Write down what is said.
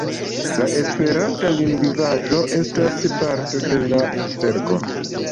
La esperanta lingvaĵo estas parto de la verko.